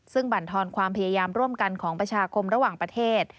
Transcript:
ซึ่งบรรทอนความพยายามร่วมกันของประชาคมระหว่างประเทศ